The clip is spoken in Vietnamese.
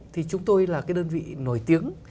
thì chúng tôi là cái đơn vị nổi tiếng